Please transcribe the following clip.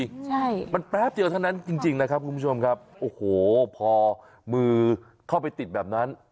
ใช่มันแป๊บเดียวเท่านั้นจริงจริงนะครับคุณผู้ชมครับโอ้โหพอมือเข้าไปติดแบบนั้น